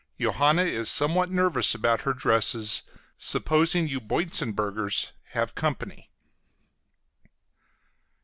Johanna is somewhat nervous about her dresses, supposing you Boitzenburgers have company.